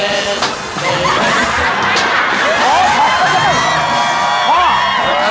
เต้นเต้น